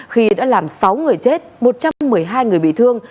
khi đã làm sáu người chết một trăm một mươi hai người bị thương